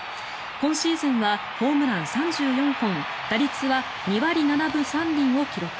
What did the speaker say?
今シーズンはホームラン３４本打率は２割７分３厘を記録。